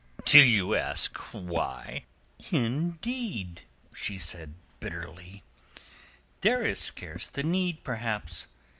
"Do you ask why?" "Indeed," she said bitterly, "there is scarce the need perhaps.